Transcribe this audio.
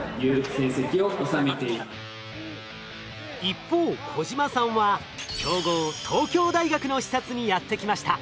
一方小島さんは強豪東京大学の視察にやって来ました。